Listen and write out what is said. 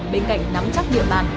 bên cạnh nắm chắc địa bàn